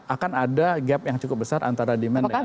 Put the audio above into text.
akan ada gap yang cukup besar antara demand dengan